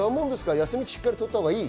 休みはしっかりとったほうがいい？